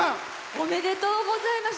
おめでとうございます。